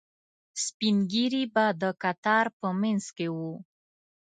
سپینږیري به د کتار په منځ کې وو.